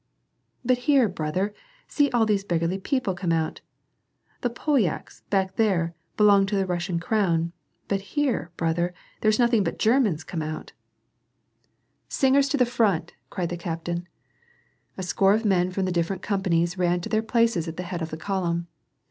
"But here, brother, see all these beggarly people come out! The Pol yaks, back there, l)elonged to the Russian crown, but here, brother, there's nothing but Germans come out," 140 WAR AND PEACE. " Singers to the front !" cried the captain. A score of men from the different companies ran to their places at the head of the column.